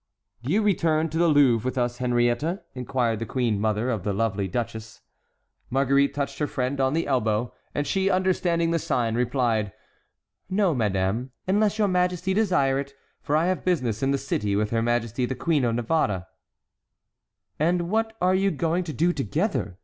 "Do you return to the Louvre with us, Henriette?" inquired the queen mother of the lovely duchess. Marguerite touched her friend on the elbow, and she, understanding the sign, replied: "No, madame, unless your majesty desire it; for I have business in the city with her majesty the Queen of Navarre." "And what are you going to do together?"